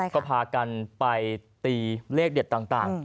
ก็พากันไปตีเลขเด็ดต่าง